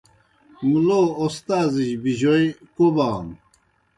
مُلو اوستازِجیْ بِجوئے کوبانوْ۔